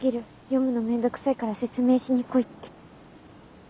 読むの面倒くさいから説明しに来いって！